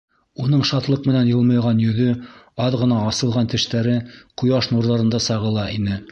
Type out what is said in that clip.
Уның шатлыҡ менән йылмайған йөҙө, аҙ ғына асылған тештәре ҡояш нурҙарында сағыла ине.